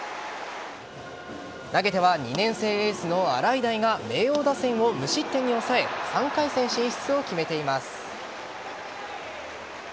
投げては２年生エースの洗平が明桜打線を無失点に抑え３回戦進出を決めています。